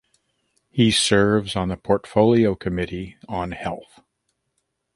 He serves on the Portfolio Committee on Health.